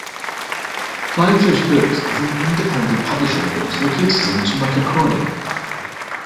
Flying Fish Books is an independent publisher of books, located in Tumacacori.